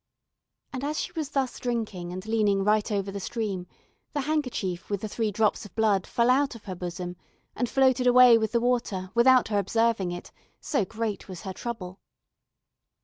And as she was thus drinking and leaning right over the stream, the handkerchief with the three drops of blood fell out of her bosom, and floated away with the water without her observing it, so great was her trouble.